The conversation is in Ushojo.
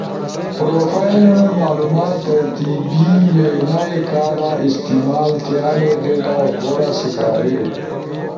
پروفائل معلومات تربیتی وینا ئی کارا استعمال تھیالے ڈیٹا غورا سپاری۔